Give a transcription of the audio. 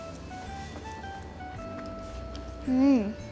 うん。